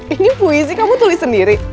ini puisi kamu tulis sendiri